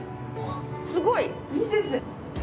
すごい！いいですね。